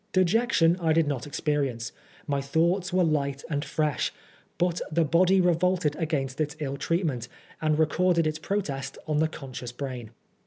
Dejection I did not experience ; my spirits were light and fresh ; but the body revolted against its ill treatment, and recorded its protest on the conscious brain.